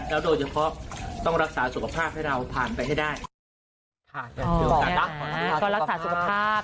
แล้วโดยเฉพาะต้องรักษาสุขภาพให้เราผ่านไปให้ได้โอกาสก็รักษาสุขภาพ